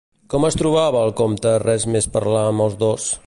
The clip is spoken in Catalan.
Com es trobava el comte res més parlar amb els dos?